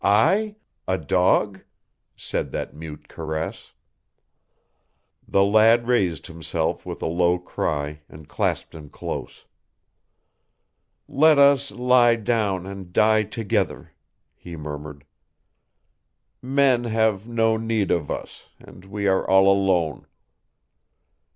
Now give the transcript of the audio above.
I a dog?" said that mute caress. The lad raised himself with a low cry and clasped him close. "Let us lie down and die together," he murmured. "Men have no need of us, and we are all alone."